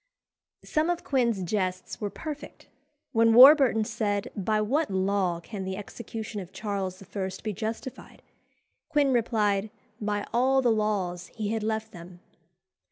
Some of Quin's jests were perfect. When Warburton said, "By what law can the execution of Charles I. be justified?" Quin replied, "By all the laws he had left them."